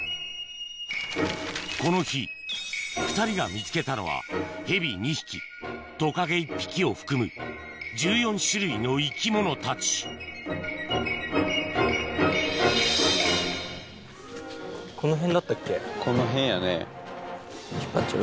この日２人が見つけたのはヘビ２匹トカゲ１匹を含む１４種類の生き物たち引っ張っちゃう？